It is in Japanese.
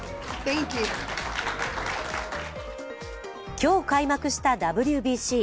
今日開幕したＷＢＣ。